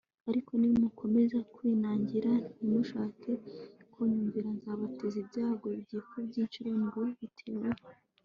Ariko nimukomeza kwinangira ntimushake kunyumvira nzabateza ibyago byikubye incuro ndwi bitewe